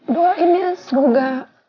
doain ya semoga